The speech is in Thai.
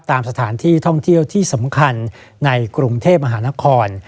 ตามสถานที่ท่องเที่ยวที่สำคัญในกรุงเทพมหานคร